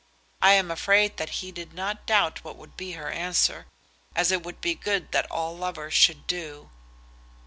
I am afraid that he did not doubt what would be her answer, as it would be good that all lovers should do.